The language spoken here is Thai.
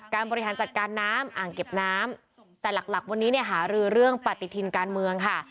การบริหารจะการน้ำอ่างเก็บน้ำแต่หลักวันนี้หารือเรื่องปฏิทรินการเมืองค่ะ